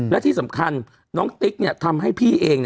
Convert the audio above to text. และที่สำคัญน้องติ๊กทำให้พี่เอง